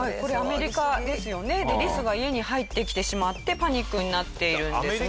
リスが家に入ってきてしまってパニックになっているんですが。